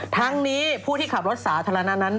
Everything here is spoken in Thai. ทั้งนี้ผู้ที่ขับรถสาธารณะนั้น